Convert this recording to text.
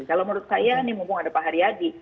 kalau menurut saya ini mumpung ada pak haryadi